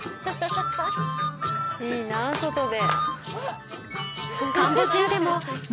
いいなぁ外で。